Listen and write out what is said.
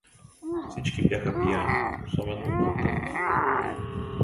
Всички бяха пияни, особено Алтънов.